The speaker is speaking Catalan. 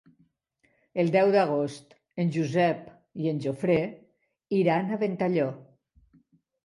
El deu d'agost en Josep i en Jofre iran a Ventalló.